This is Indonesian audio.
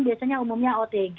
biasanya umumnya otg